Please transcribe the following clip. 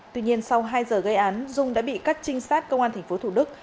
tuy nhiên sau hai giờ gây án dung đã bị các trinh sát công an tp thủ đức